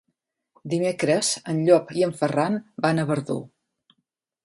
Dimecres en Llop i en Ferran van a Verdú.